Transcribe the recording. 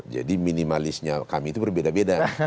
jadi minimalisnya kami itu berbeda beda